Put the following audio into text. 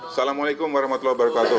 assalamu'alaikum warahmatullahi wabarakatuh